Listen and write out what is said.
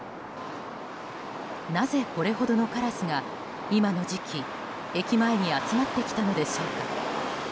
なぜこれほどのカラスが今の時期駅前に集まってきたのでしょうか？